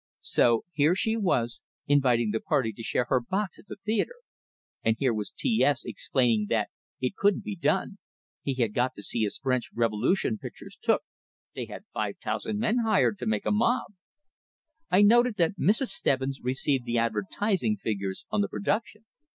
So here she was, inviting the party to share her box at the theatre; and here was T S explaining that it couldn't be done, he had got to see his French revolution pictures took, dey had five tousand men hired to make a mob. I noted that Mrs. Stebbins received the "advertising" figures on the production!